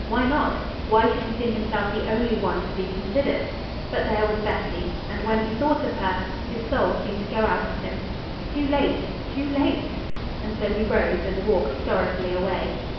Why not? Why should he think himself the only one to be considered? But there was Betty! And when he thought of her, his soul seemed to go out of him. Too late! Too late! And so he rose and walked sorrowfully away.